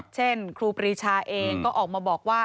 ครูปรีชาเองก็ออกมาบอกว่า